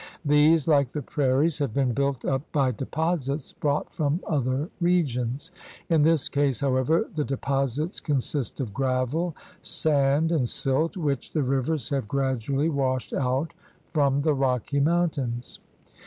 These, hke the prairies, have been built up by deposits brought from other regions. In this case, however, the de posits consist of gravel, sand, and silt which the rivers have gradually washed out from the Rocky Mountains.